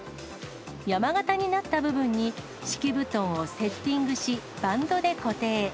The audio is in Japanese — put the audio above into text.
山型になった部分に敷布団をセッティングし、バンドで固定。